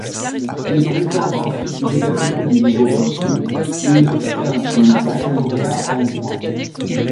Il fréquente ensuite l'Université du Nouveau-Brunswick, où il obtient un baccalauréat en droit.